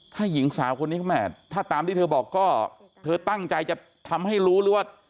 ถ้าหญิงสาวคนนี้แม่ถ้าตามที่เธอบอกก็เธอตั้งใจจะทำให้รู้หรือว่า